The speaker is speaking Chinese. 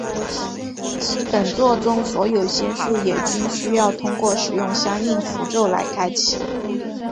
本作中所有仙术也均需要通过使用相应符咒来开启。